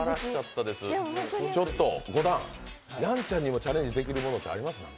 五段、やんちゃんにもチャレンジできるものってありますか？